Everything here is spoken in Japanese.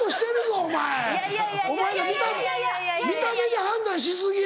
お前ら見た目で判断し過ぎや。